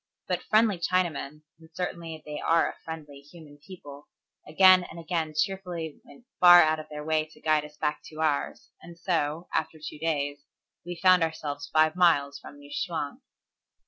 But friendly Chinamen, and certainly they are a friendly, human people, again and again cheerfully went far out of their way to guide us back to ours, and so, after two days, we found ourselves five miles from New Chwang.